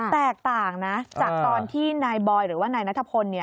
แตกต่างนะจากตอนที่นายบอยหรือว่านายนัทพล